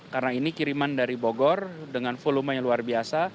karena ini kiriman dari bogor dengan volume yang luar biasa